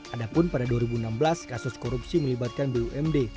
adapun pada dua ribu enam belas kasus korupsi melibatkan bumd